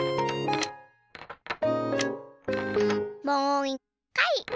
もういっかい。